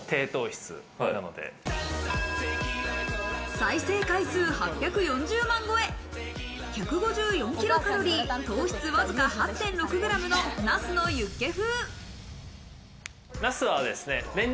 再生回数８４０万超え、１５４キロカロリー、糖質わずか８．６ｇのナスのユッケ風。